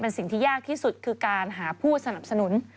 สิ่งที่ยากที่สุดคือการหาผู้สนับสนุน